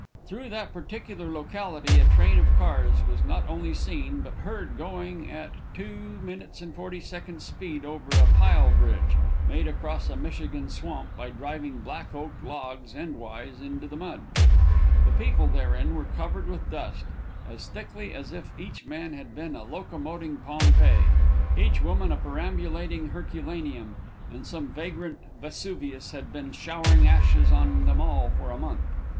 Through that particular locality a train of cars was not only seen, but heard going at 2'40" speed over a pile bridge, made across a Michigan swamp, by driving black oak logs end wise into the mud. The people therein were covered with dust, as thickly as if each man had been a locomoting Pompeii, each woman a perambulating Herculaneum, and some vagrant Vesuvius had been showering ashes on them all for a month.